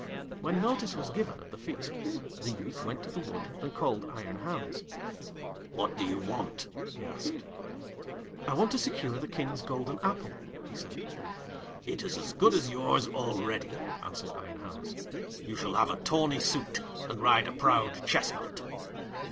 When notice was given of the feast, the youth went to the wood and called Iron Hans. 'What do you want?' he asked. 'I want to secure the King's golden apple,' he said. 'It is as good as yours already,' answered Iron Hans. 'You shall have a tawny suit, and ride a proud chestnut.'